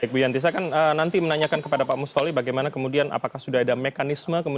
bu yantissa kan nanti menanyakan kepada pak musholeh bagaimana kemudian apakah sudah ada mekanisme